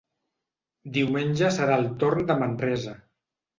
Diumenge serà el torn de Manresa.